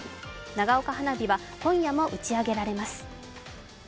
長岡花火は今夜も打ち上げられます。